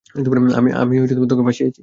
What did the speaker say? আমি তোকে ফাঁসিয়েছি?